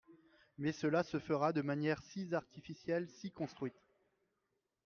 Mais cela se fera de manière si artificielle, si construite.